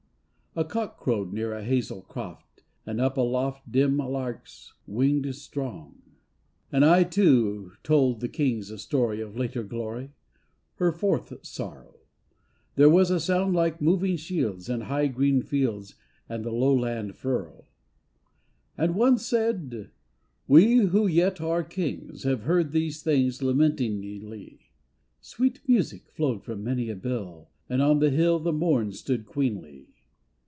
A cock crowed near a hazel croft, And up aloft dim larks winged strong. 263 THE DEAD KINGS 263 And I, too, told the kings a story Of later glory, her fourth sorrow: There was a sound like moving shields In high green fields and the lowland furrow. And one said :" We who yet are kings Have heard these things lamenting inly." Sweet music flowed from many a bill And on the hill the morn stood queenly.